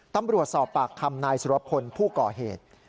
ตำรวจสอบปากคำนายสุรพลผู้ก่อเหตุ